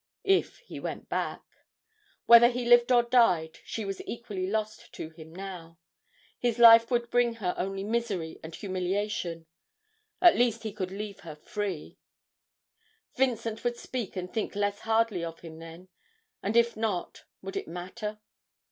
If he went back! Whether he lived or died, she was equally lost to him now. His life would bring her only misery and humiliation at least he could leave her free! Vincent would speak and think less hardly of him then, and, if not, would it matter?